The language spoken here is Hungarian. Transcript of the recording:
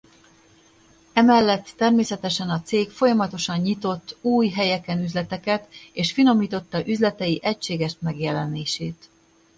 Emellett természetesen a cég folyamatosan nyitott új helyeken üzleteket és finomította üzletei egységes megjelenését.